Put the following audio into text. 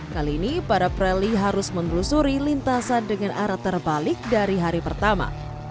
kali ini para prali harus menelusuri lintasan dengan arah terbalik dari hari pertama